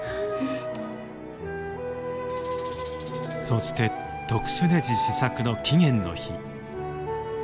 そして特殊ねじ試作の期限の日。